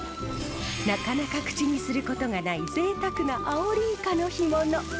なかなか口にすることがないぜいたくなアオリイカの干物。